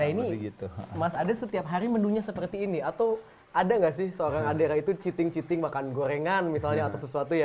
nah ini mas ade setiap hari menunya seperti ini atau ada nggak sih seorang adera itu cheating cheating makan gorengan misalnya atau sesuatu ya